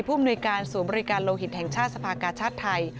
มนุยการศูนย์บริการโลหิตแห่งชาติสภากาชาติไทย